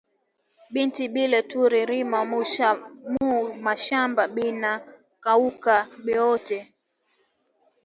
Bintu bile turi rima mu mashamba bina kauka biote